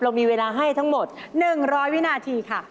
มีเวลาให้ทั้งหมด๑๐๐วินาทีค่ะ